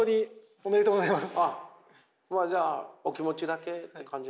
おめでとうございます。